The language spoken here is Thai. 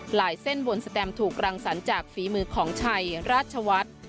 หลายเส้นบนแสตมป์ถูกรังสรรจากฝีมือของชัยราชวัฒน์